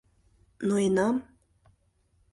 — Ноенам...